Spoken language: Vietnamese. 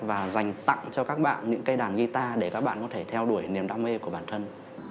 và dành tặng cho các bạn những cây đàn guitar để các bạn có thể theo đuổi niềm đam mê của bản thân